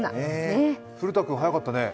古田君、早かったね。